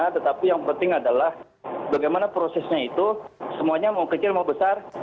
tetapi yang penting adalah bagaimana prosesnya itu semuanya mau kecil mau besar